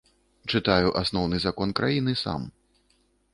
Чытаю асноўны закон краіны сам.